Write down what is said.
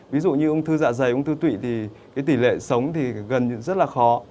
ví dụ như ung thư dạ dày ung thư tụy tỷ lệ sống gần rất khó